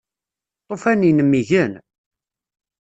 Lṭufan-inem igen?